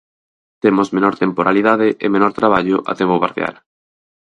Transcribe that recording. Temos menor temporalidade e menor traballo a tempo parcial.